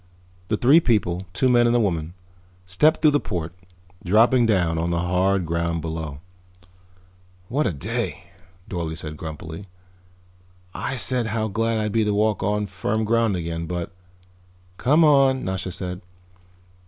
The three people, two men and a woman, stepped through the port, dropping down on the hard ground below. "What a day," Dorle said grumpily. "I said how glad I'd be to walk on firm ground again, but " "Come on," Nasha said.